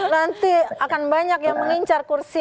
nanti akan banyak yang mengincar kursi